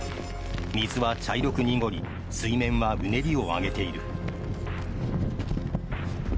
水は茶色く濁り水面はうねりを上げている。